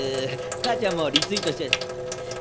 母ちゃんもリツイートしちゃ。